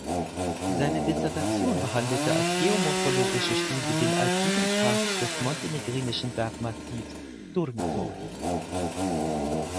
Seine Dissertation behandelte als geomorphologische Studie den alpinen Karst des montenegrinischen Bergmassivs Durmitor.